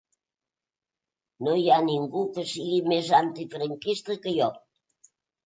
No hi ha ningú que sigui més antifranquista que jo.